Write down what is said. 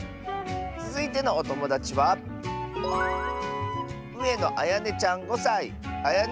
つづいてのおともだちはあやねちゃんの。